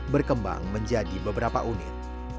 berkembang menjadi beberapa unit